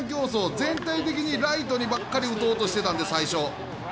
全体的にライトにばかり打とうとしてたので、最初。